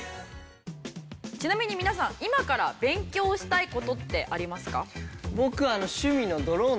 ちなみに皆さん今から勉強したい事ってありますか？